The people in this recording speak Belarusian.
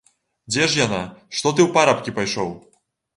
Дзе ж яна, што ты ў парабкі пайшоў?